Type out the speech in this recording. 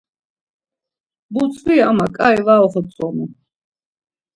Butzvi ama ǩai var oxotzonu.